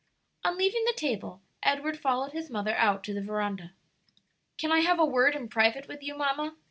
On leaving the table Edward followed his mother out to the veranda. "Can I have a word in private with you, mamma?"